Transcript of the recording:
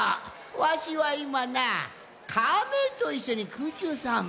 わしはいまなカメといっしょにくうちゅうさんぽ。